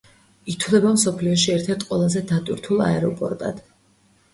ითვლება მსოფლიოში ერთ-ერთ ყველაზე დატვირთულ აეროპორტად.